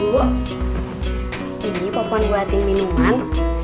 bu ini popon buatin minuman